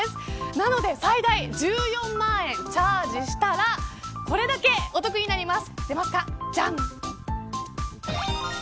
なので最大１４万円チャージしたらこれだけお得になります。